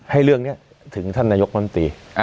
ให้เรื่องนี้ถึงท่านนายกมนตรี